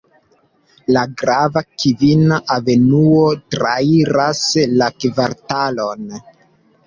La grava Kvina Avenuo trairas la kvartalon.